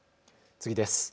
次です。